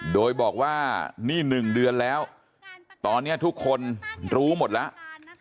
โดยบอกว่านี่๑เดือนแล้วตอนนี้ทุกคนรู้หมดแล้ว